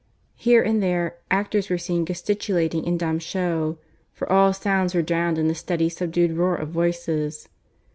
Here and there actors were seen gesticulating in dumb show, for all sounds were drowned in the steady subdued roar of voices.